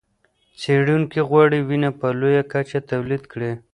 څېړونکي غواړي وینه په لویه کچه تولید کړي.